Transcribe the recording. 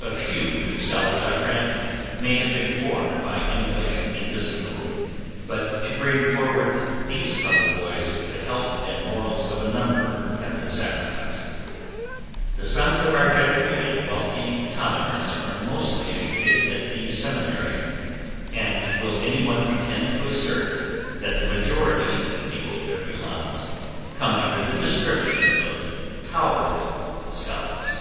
A few good scholars, I grant, may have been formed by emulation and discipline; but, to bring forward these clever boys, the health and morals of a number have been sacrificed. The sons of our gentry and wealthy commoners are mostly educated at these seminaries, and will any one pretend to assert, that the majority, making every allowance, come under the description of tolerable scholars?